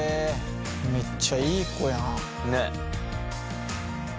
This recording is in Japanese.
めっちゃいい子やん。